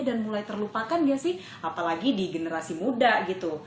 dan mulai terlupakan nggak sih apalagi di generasi muda gitu